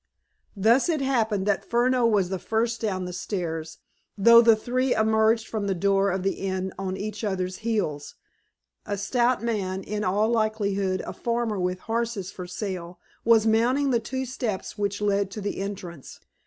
Thus it happened that Furneaux was the first down the stairs, though the three emerged from the door of the inn on each other's heels. A stout man, in all likelihood a farmer with horses for sale, was mounting the two steps which led to the entrance.